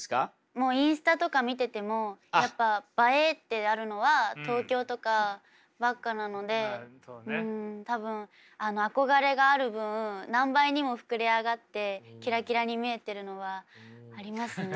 もうインスタとか見ててもやっぱ映えってあるのは東京とかばっかなので多分憧れがある分何倍にも膨れ上がってキラキラに見えてるのはありますね。